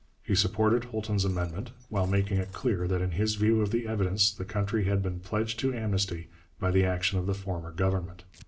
He supported Holton's amendment, while making it clear that in his view of the evidence the country had been pledged to amnesty by the action of the former Government.